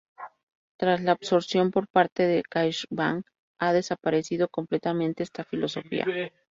Tras la absorción por parte de CaixaBank, ha desaparecido completamente esta filosofía.